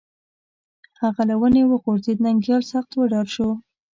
هغه له ونې وغورځېد، ننگيال سخت وډار شو